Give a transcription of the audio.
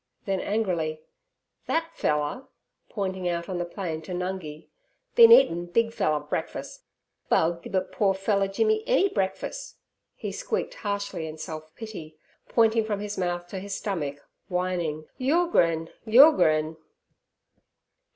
Then angrily: 'That pfeller' pointing out on the plain to Nungi, 'been eatem big pfeller breakfuss; baal gib it poor pfeller Jimmy enny breakfuss!' he squeaked harshly in self pity, pointing from his mouth to his stomach, whining, 'Yulegrin! yulegrin!'